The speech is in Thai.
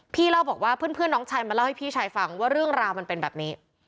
เล่าบอกว่าเพื่อนน้องชายมาเล่าให้พี่ชายฟังว่าเรื่องราวมันเป็นแบบนี้